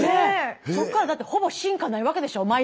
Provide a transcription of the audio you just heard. そこからだってほぼ進化ないわけでしょ。